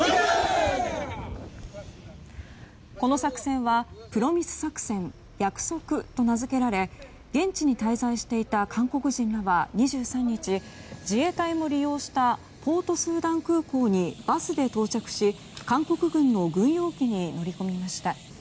この作戦はプロミス作戦、約束と名付けられ現地に滞在していた韓国人らは２３日自衛隊も利用したポートスーダン空港にバスで到着し、韓国軍の軍用機に乗り込みました。